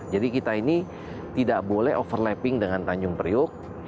jadi kita ini tidak boleh overlapping dengan tanjung priuk